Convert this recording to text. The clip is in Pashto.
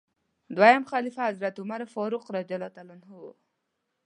دویم خلیفه حضرت عمر فاروق رض و.